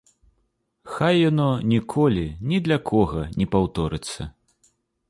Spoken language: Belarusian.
Хай яно ніколі ні для кога не паўторыцца.